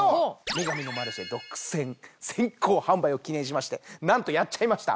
『女神のマルシェ』独占先行販売を記念しましてなんとやっちゃいました。